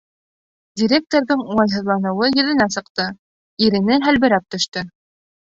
Директорҙың уңайһыҙланыуы йөҙөнә сыҡты, ирене һәлберәп төштө.